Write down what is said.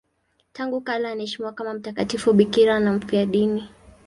Tangu kale anaheshimiwa kama mtakatifu bikira na mfiadini.